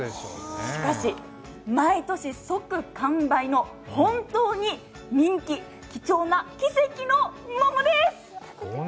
しかし、毎年、即完売の本当に人気、貴重な奇跡の桃です！